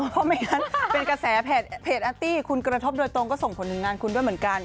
เพราะไม่งั้นเป็นกระแสเพจแอตตี้คุณกระทบโดยตรงก็ส่งผลถึงงานคุณด้วยเหมือนกัน